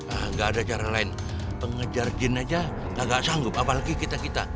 hah gak ada cara lain pengejar jin aja gak sanggup apalagi kita kita